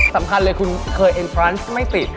สำคัญเลยคุณเคยเอ็นฟรานซ์ไม่ติด